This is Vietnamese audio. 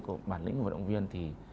của bản lĩnh và vận động viên thì